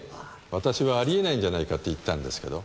私はあり得ないんじゃないかって言ったんですけど。